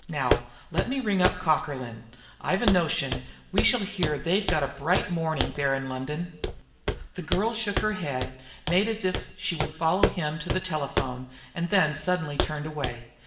Now, let me ring up Cockerlyne. I've a notion we shall hear they've got a bright morning there in London." The girl shook her head, made as if she would follow him to the telephone, and then suddenly turned away.